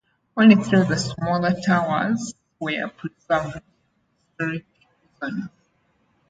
Only three of the smaller towers were preserved for historic reasons.